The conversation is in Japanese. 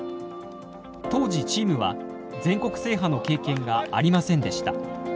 当時チームは全国制覇の経験がありませんでした。